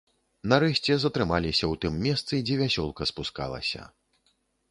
Нарэшце затрымаліся ў тым месцы, дзе вясёлка спускалася.